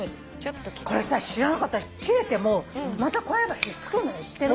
これさ知らなかった切れてもまたこうやればひっつくんだよ知ってる？